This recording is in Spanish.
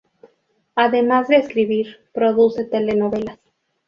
Además de escribir, produce telenovelas.